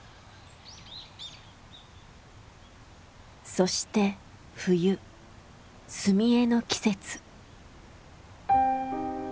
そして冬墨絵の季節。